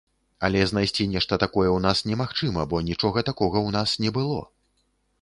Але знайсці нешта такое ў нас немагчыма, бо нічога такога ў нас не было.